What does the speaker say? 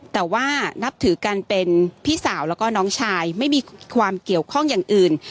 แต่ว่านับถือกันเป็นพี่สาวแล้วก็น้องชายไม่มีความเกี่ยวข้องอย่างอื่น